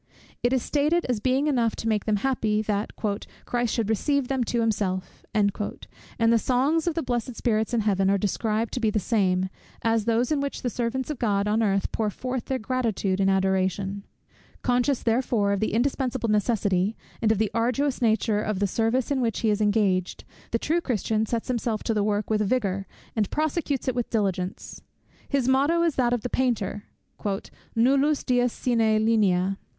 It is stated as being enough to make them happy, that "Christ should receive them to himself;" and the songs of the blessed spirits in Heaven are described to be the same, as those in which the servants of God on earth pour forth their gratitude and adoration. Conscious therefore of the indispensable necessity, and of the arduous nature of the service in which he is engaged, the true Christian sets himself to the work with vigour, and prosecutes it with diligence. His motto is that of the painter; "nullus dies sine linea."